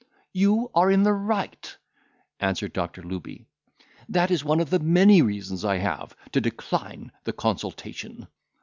"You are in the right," answered Doctor Looby; "that is one of many reasons I have to decline the consultation."